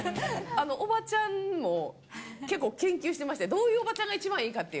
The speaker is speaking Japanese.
おばちゃんも結構、研究してまして、どういうおばちゃんが一番いいかっていう。